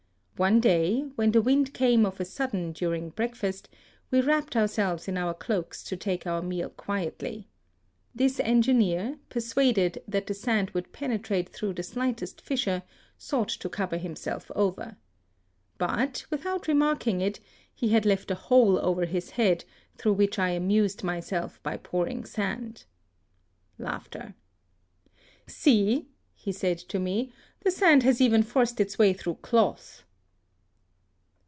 One day, when the wind came of a sudden dur ing breakfast, we wrapped ourselves in our cloaks to take our meal quietly. This engi neer, persuaded that the sand would pene trate through the slightest fissure, sought to cover himself over. But, without remarking it, he had left a hole over his head, through which I amused myself by pouring sand. "See,'' he said to me, "the sand has even forced its way through cloth."